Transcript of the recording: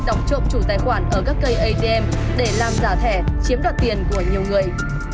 cộng chủ tài khoản ở các cây atm để làm giả thẻ chiếm đoạt tiền của nhiều người